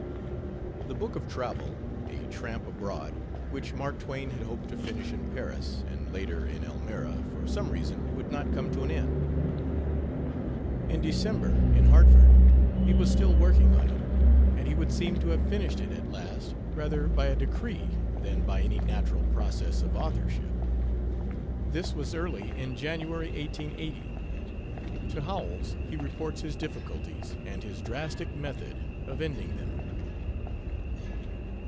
The book of travel, [A Tramp Abroad.] which Mark Twain had hoped to finish in Paris, and later in Elmira, for some reason would not come to an end. In December, in Hartford, he was still working on it, and he would seem to have finished it, at last, rather by a decree than by any natural process of authorship. This was early in January, 1880. To Howells he reports his difficulties, and his drastic method of ending them.